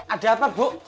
ada apa bu